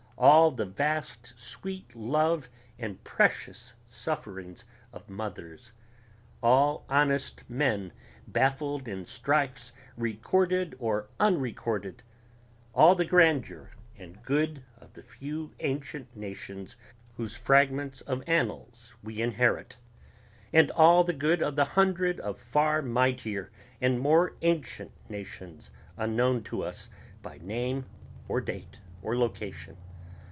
all the vast sweet love and precious sufferings of mothers ... all honest men baffled in strifes recorded or unrecorded ... all the grandeur and good of the few ancient nations whose fragments of annals we inherit ... and all the good of the hundreds of far mightier and more ancient nations unknown to us by name or date or location